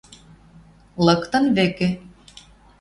Лыктын вӹкӹ